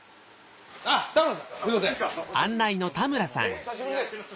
「お久しぶりです」？